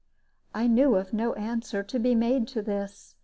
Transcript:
I knew of no answer to be made to this.